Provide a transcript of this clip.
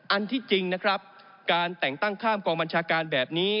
อันที่จริงนะครับการแต่งตั้งข้ามกองบัญชาการแบบนี้